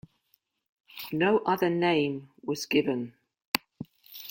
No other name was given.